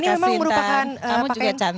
terima kasih intan